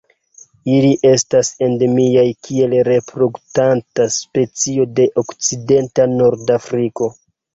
Ili estas endemiaj kiel reproduktanta specio de okcidenta Nordafriko.